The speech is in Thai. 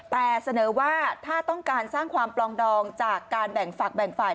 แต่เสนอว่าถ้าต้องการสร้างความปลองดองจากการแบ่งฝักแบ่งฝ่าย